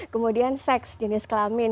kemudian seks jenis kelamin